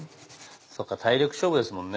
そっか体力勝負ですもんね。